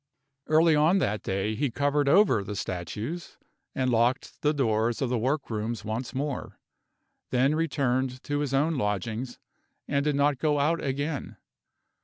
Early on that day he covered over the statues, and locked the doors of the work rooms once more; then returned to his own lodgings, and did not go out again.